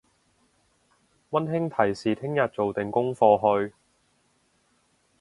溫馨提示聽日做定功課去！